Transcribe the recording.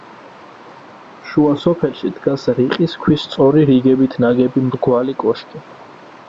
შუა სოფელში დგას რიყის ქვის სწორი რიგებით ნაგები მრგვალი კოშკი.